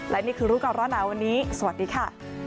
และนี่คือรูปกรณาวันนี้สวัสดีค่ะ